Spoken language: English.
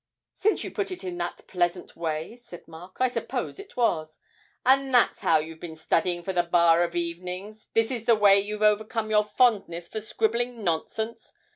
'Since you put it in that pleasant way,' said Mark, 'I suppose it was.' 'And that's how you've been studying for the Bar of evenings, this is the way you've overcome your fondness for scribbling nonsense?